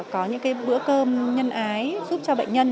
có những bữa cơm nhân ái giúp cho bệnh nhân